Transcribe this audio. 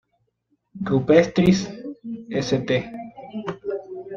Rupestris St.